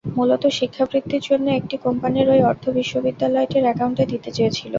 মূলত শিক্ষাবৃত্তির জন্য একটি কোম্পানির ওই অর্থ বিশ্ববিদ্যালয়টির অ্যাকাউন্টে দিতে চেয়েছিল।